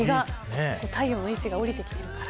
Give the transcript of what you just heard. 太陽の位置が落ちてきてるから。